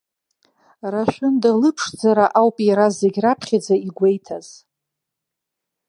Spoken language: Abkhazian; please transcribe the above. Рашәында лыԥшӡара ауп иара зегь раԥхьаӡа игәеиҭаз.